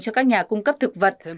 cho các nhà cung cấp thực vật